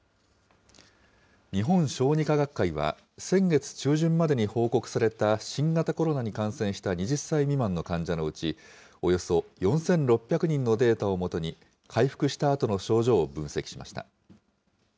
日本小児科学会は、先月中旬までに報告された新型コロナに感染した２０歳未満の患者のうち、およそ４６００人のデータを基に、回復したあとの症状を分析しました。